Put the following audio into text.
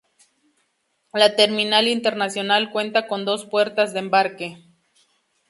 La terminal internacional cuenta con dos puertas de embarque.